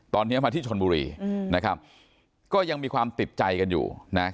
ตอนนี้มาที่ชนบุรีนะครับก็ยังมีความติดใจกันอยู่นะ